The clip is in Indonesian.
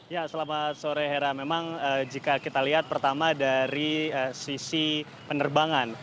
ya selamat sore hera memang jika kita lihat pertama dari sisi penerbangan